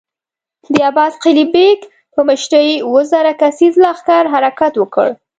د عباس قلي بېګ په مشری اووه زره کسيز لښکر حرکت وکړ.